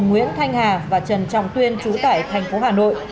gồm nguyễn thanh hà và trần trọng tuyên chú tại thành phố hà nội